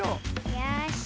よし。